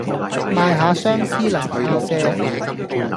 賣吓相思嚟靠借